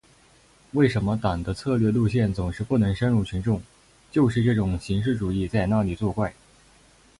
为什么党的策略路线总是不能深入群众，就是这种形式主义在那里作怪。